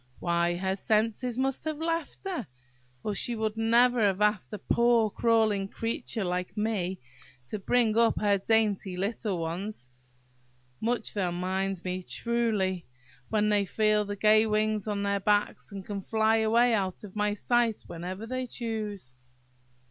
Why, her senses must have left her, or she never would have asked a poor crawling creature like me to bring up her dainty little ones! Much they'll mind me, truly, when they feel the gay wings on their backs, and can fly away out of my sight whenever they choose!